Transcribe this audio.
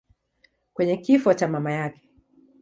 kwenye kifo cha mama yake.